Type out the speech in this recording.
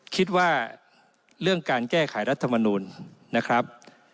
คิดว่าเรื่องการแก้ไขรัฐมนูลนะครับ